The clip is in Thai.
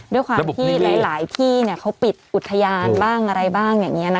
ด้วยความที่หลายที่เขาปิดอุทยานบ้างอะไรบ้างอย่างนี้